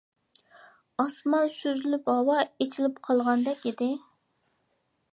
ئاسمان سۈزۈلۈپ، ھاۋا ئېچىلىپ قالغاندەك ئىدى.